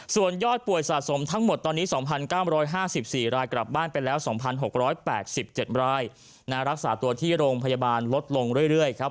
ส่วนยอดป่วยสะสมทั้งหมดตอนนี้๒๙๕๔รายกลับบ้านไปแล้ว๒๖๘๗รายรักษาตัวที่โรงพยาบาลลดลงเรื่อยครับ